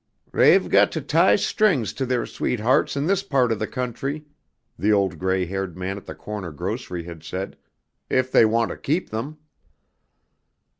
"They've got to tie strings to their sweethearts in this part of the country," the old gray haired man at the corner grocery had said, "if they want to keep them."